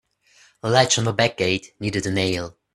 The latch on the back gate needed a nail.